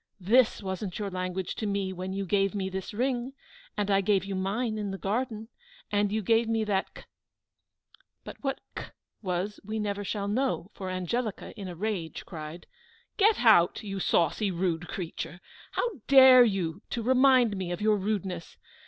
This wasn't your language to me when you gave me this ring, and I gave you mine in the garden, and you gave me that k " But what that k was we never shall know, for Angelica in a rage cried, "Get out, you saucy, rude creature! How dare you to remind me of your rudeness!